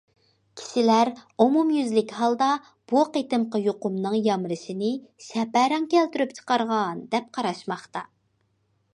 كىشىلەر ئومۇميۈزلۈك ھالدا بۇ قېتىمقى يۇقۇمنىڭ يامرىشىنى شەپەرەڭ كەلتۈرۈپ چىقارغان دەپ قاراشماقتا.